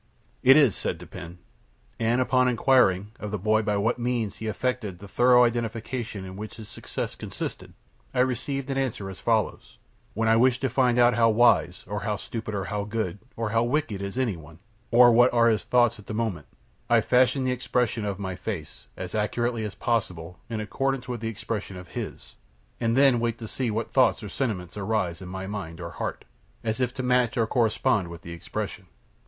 "It is," said Dupin; "and, upon inquiring of the boy by what means he effected the thorough identification in which his success consisted, I received answer as follows: 'When I wish to find out how wise, or how stupid, or how good, or how wicked, is any one, or what are his thoughts at the moment, I fashion the expression of my face, as accurately as possible, in accordance with the expression of his, and then wait to see what thoughts or sentiments arise in my mind or heart, as if to match or correspond with the expression.'